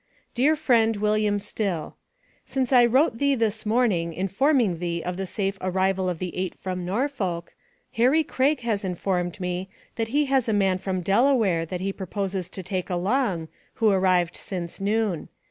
DEAR FRIEND, WILLIAM STILL: Since I wrote thee this morning informing thee of the safe arrival of the Eight from Norfolk, Harry Craige has informed me, that he has a man from Delaware that he proposes to take along, who arrived since noon.